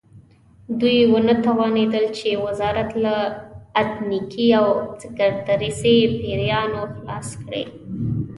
دوی ونه توانېدل چې وزارت له اتنیکي او سکتریستي پیریانو خلاص کړي.